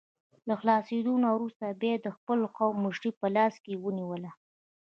له خلاصېدو نه وروسته یې بیا د خپل قوم مشري په لاس کې ونیوله.